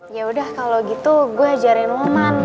yaudah kalo gitu gue ajarin loman